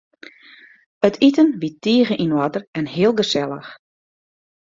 It iten wie tige yn oarder en heel gesellich.